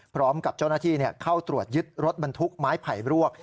พร้อมกับเจ้าหน้าที่เข้าตรวจยึดรถบรรทุกไม้ไผ่รวก